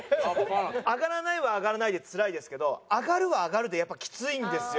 上がらないは上がらないでつらいですけど上がるは上がるでやっぱきついんですよ。